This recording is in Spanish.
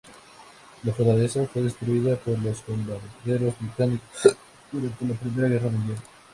La fortaleza fue destruida por los bombarderos británicos durante la Primera Guerra Mundial.